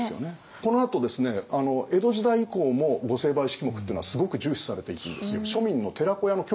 このあとですね江戸時代以降も御成敗式目ってのはすごく重視されていくんですよ。